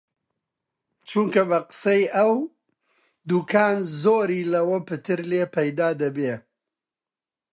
چونکە بە قسەی ئەو، دووکان زۆری لەوە پتر لێ پەیدا دەبێ